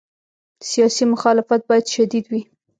سیاسي مخالفت باید شدید وي.